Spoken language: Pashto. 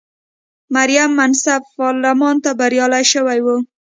مریم منصف پارلمان ته بریالی شوې وه.